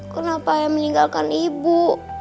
kenapa ayah meninggalkan ibu